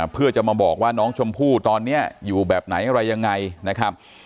เพื่อจะมาบอกว่าน้องชมพู่ตอนนี้อยู่แบบไหนอะไรยังไงนะครับ